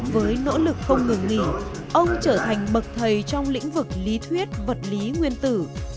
với nỗ lực không ngừng nghỉ ông trở thành bậc thầy trong lĩnh vực lý thuyết vật lý nguyên tử